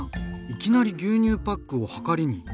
いきなり牛乳パックをはかりに。